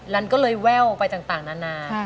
ันก็เลยแว่วไปต่างนานา